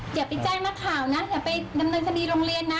อย่าไปแจ้งนักข่าวนะอย่าไปดำเนินคดีโรงเรียนนะ